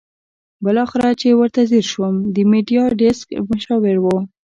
بالاخره چې ورته ځېر شوم د میډیا ډیسک مشاور وو.